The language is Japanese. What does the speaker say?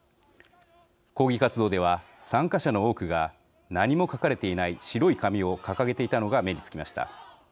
抗議活動では、参加者の多くが何も書かれていない白い紙を掲げていたのが目につきました。